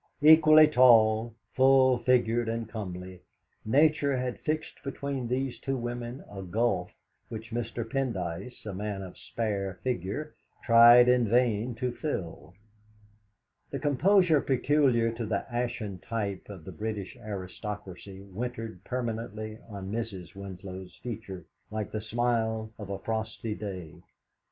Equally tall, full figured, and comely, Nature had fixed between these two women a gulf which Mr. Pendyce, a man of spare figure, tried in vain to fill. The composure peculiar to the ashen type of the British aristocracy wintered permanently on Mrs. Winlow's features like the smile of a frosty day.